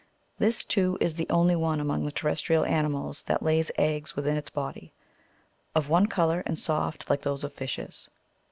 This, too, is the only one among the terrestrial animals that lays eggs within its body — of one colour, and soft, like those of fishes.